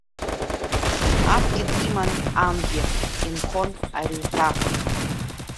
Абгьы диман ангьы, инхон Арҩҭа.